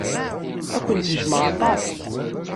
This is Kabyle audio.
Ad kent-jjmeɣ aṭas.